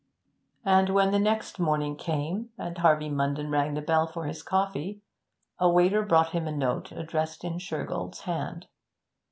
And when the next morning came, and Harvey Munden rang the bell for his coffee, a waiter brought him a note addressed in Shergold's hand.